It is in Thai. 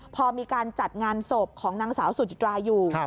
พอมีการจัดงานศพของนางสาวสุจิตราอยู่